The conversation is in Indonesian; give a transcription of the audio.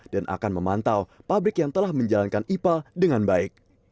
dan akan memantau pabrik yang telah menjalankan ipa dengan baik